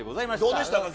どうでしたか？